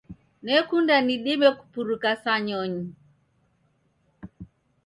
Nekunda nidime kupuruka sa nyonyi